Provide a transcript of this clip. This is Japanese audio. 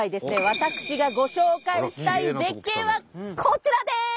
私がご紹介したい絶景はこちらです！